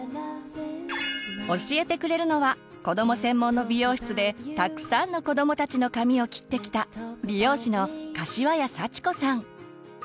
教えてくれるのは子ども専門の美容室でたくさんの子どもたちの髪を切ってきた美容師の柏谷早智子さん。